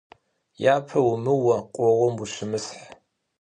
Япэ умыуэ, къоуэм ущымысхь.